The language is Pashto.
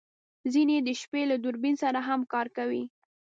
ځینې یې د شپې له دوربین سره هم کار کوي